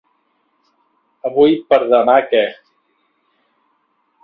Avui per demà que.